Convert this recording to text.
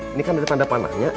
ini kan dari tanda panahnya